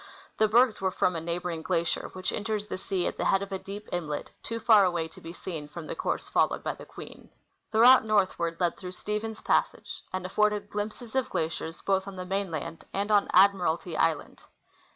The bergs were from a neighboring glacier, which enters the sea at the head of a deep inlet, too far away to be seen from the course followed by i\iQ.Qi i.een. The route northward led through Stephens passage, and afforded glimpses of glaciers both on the mainland and on Admiralty island.